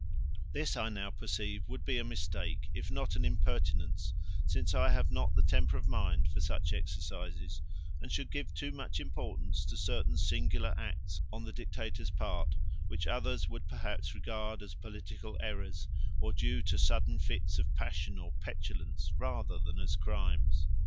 This I now perceive would be a mistake, if not an impertinence, since I have not the temper of mind for such exercises and should give too much importance to certain singular acts on the Dictator's part which others would perhaps regard as political errors, or due to sudden fits of passion or petulance rather than as crimes.